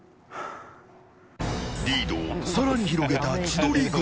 リードを更に広げた千鳥軍。